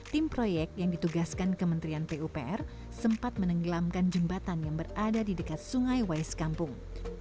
tim proyek yang ditugaskan kementerian pupr sempat menenggelamkan jembatan yang berada di dekat sungai waiskampung